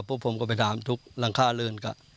พวกผมก็ไปทำทุกหลังค่าเล่นค่ะ